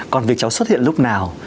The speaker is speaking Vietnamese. còn việc cháu xuất hiện lúc nào